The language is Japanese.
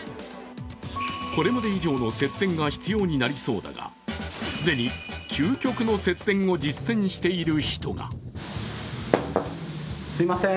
これまで以上の節電が必要になりそうだが既に究極の節電を実践している人が。